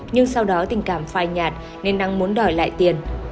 nhưng sau đó tình cảm phai nhạt nên năng muốn đòi lại tiền